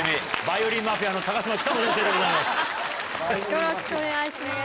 よろしくお願いします。